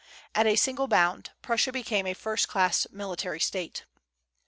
At a single bound, Prussia became a first class military State.